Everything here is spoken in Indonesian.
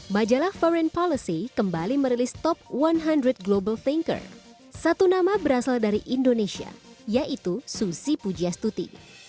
majalah foreign policy kembali merilis top seratus global thinker satu nama berasal dari indonesia yaitu susi pujastuti